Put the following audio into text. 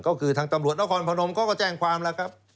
ก็คือทางตำรวจนครพนมเขาก็แจ้งความแล้วครับ